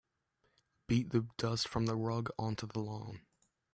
Beat the dust from the rug onto the lawn.